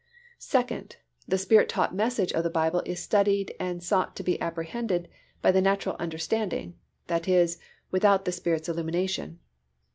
Second, The Spirit taught message of the Bible is studied and sought to be apprehended by the natural understanding, that is, without the Spirit's illumination.